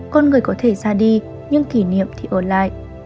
con người có thể ra đi nhưng kỷ niệm thì ở lại